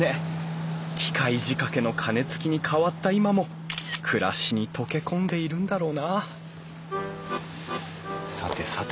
機械仕掛けの鐘つきに変わった今も暮らしに溶け込んでいるんだろうなさてさて